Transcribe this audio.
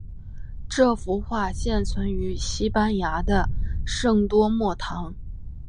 这幅画现存于西班牙的圣多默堂。